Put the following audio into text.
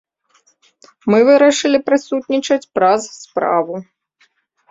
Мы вырашылі прысутнічаць праз справу.